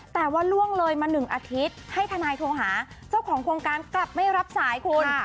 แต่ว่าล่วงเลยมา๑อาทิตย์ให้ทนายโทรหาเจ้าของโครงการกลับไม่รับสายคุณ